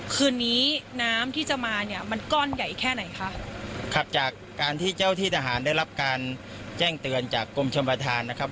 คืนนี้น้ำที่จะมาเนี่ยมันก้อนใหญ่แค่ไหนคะครับจากการที่เจ้าที่ทหารได้รับการแจ้งเตือนจากกรมชมประธานนะครับ